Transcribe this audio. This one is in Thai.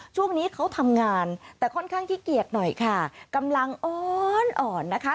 ช่วงนี้เขาทำงานแต่ค่อนข้างขี้เกียจหน่อยค่ะกำลังอ่อนอ่อนนะคะ